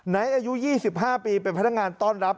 ไหนอายุ๒๕ปีเป็นพันธุ์งานต้อนรับ